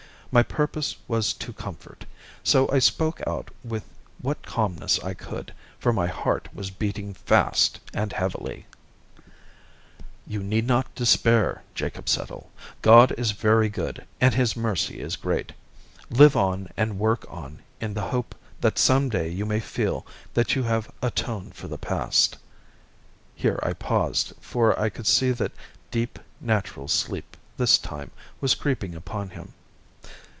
My purpose was to comfort, so I spoke out with what calmness I could, for my heart was beating fast and heavily: "You need not despair, Jacob Settle. God is very good, and His mercy is great. Live on and work on in the hope that some day you may feel that you have atoned for the past." Here I paused, for I could see that deep, natural sleep this time, was creeping upon him.